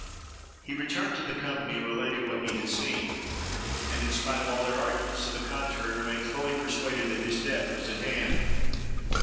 He returned to the company, and related what he had seen, and, in spite of all their arguments to the contrary, remained fully persuaded that his death was at hand.